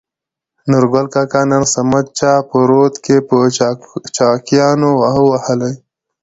نورګل کاکا : نن صمد چا په رود کې په چاقيانو ووهلى.